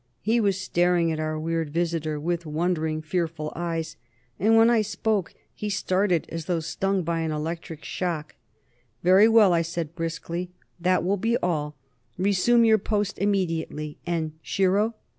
He was staring at our weird visitor with wondering, fearful eyes, and when I spoke he started as though stung by an electric shock. "Very well," I said briskly. "That will be all. Resume your post immediately. And Shiro!"